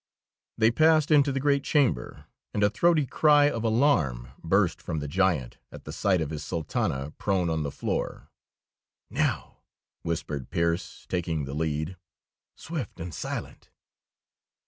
They passed into the great chamber, and a throaty cry of alarm burst from the giant at the sight of his Sultana prone on the floor. "Now!" whispered Pearse, taking the lead. "Swift and silent!"